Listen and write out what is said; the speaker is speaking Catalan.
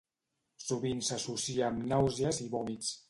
Sovint s'associa amb nàusees i vòmits.